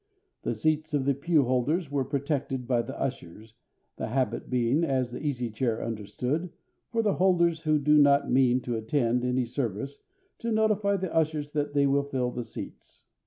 The seats of the pew holders were protected by the ushers, the habit being, as the Easy Chair understood, for the holders who do not mean to attend any service to notify the ushers that they may fill the seats.